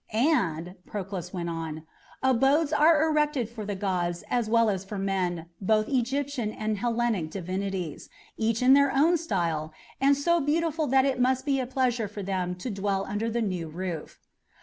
"And," Proclus went on, "abodes are erected for the gods as well as for men, both Egyptian and Hellenic divinities, each in their own style, and so beautiful that it must be a pleasure for them to dwell under the new roof."